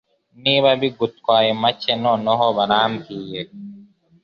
Niba bigutwaye make noneho barambwiye